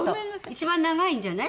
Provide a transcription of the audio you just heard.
一番長いんじゃない？